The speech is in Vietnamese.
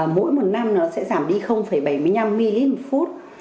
mỗi một năm nó sẽ giảm đi bảy mươi năm ml một phút